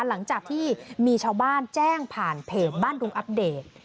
หลังจากที่มีชาวบ้านแจ้งผ่านเพจบ้านดุงอัปเดต